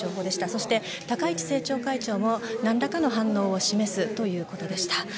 そして高市政調会長も何らかの反応を示すということでした。